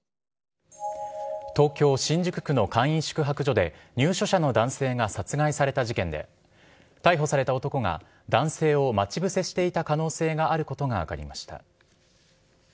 東京・新宿区の簡易宿泊所で入所者の男性が殺害された事件で逮捕された男が、男性を待ち伏せしていた可能性があることが分かりました。